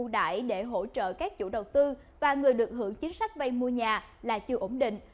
ưu đải để hỗ trợ các chủ đầu tư và người được hưởng chính sách vay mua nhà là chưa ổn định